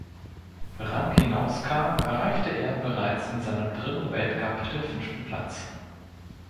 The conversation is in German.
Rang hinauskam, erreichte er bereits in seinem dritten Weltcup den fünften Platz.